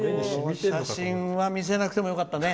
この写真は見せなくてもよかったね。